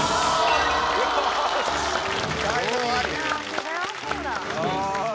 それはそうだ。